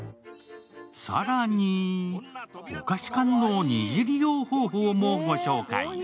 更にお菓子缶の２次利用法もご紹介。